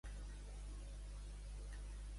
Avi vell, calces de burell.